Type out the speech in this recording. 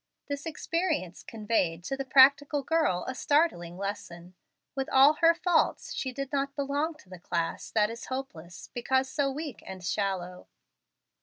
This experience conveyed to the practical girl a startling lesson. With all her faults, she did not belong to the class that is hopeless, because so weak and shallow.